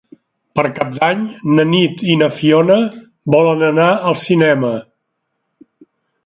Per Cap d'Any na Nit i na Fiona volen anar al cinema.